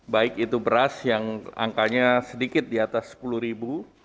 baik itu beras yang angkanya sedikit di atas sepuluh ribu